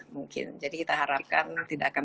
mungkin jadi kita harapkan tidak akan